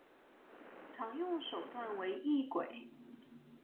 常用手段为异轨。